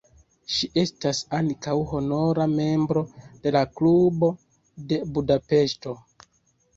Ŝi estas ankaŭ honora membro de la Klubo de Budapeŝto.